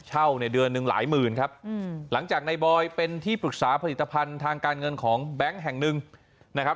เช่าในเดือนหนึ่งหลายหมื่นครับหลังจากในบอยเป็นที่ปรึกษาผลิตภัณฑ์ทางการเงินของแบงค์แห่งหนึ่งนะครับ